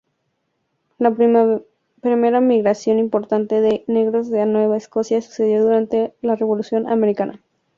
La primera migración importante de negros a Nueva Escocia sucedió durante la revolución americana.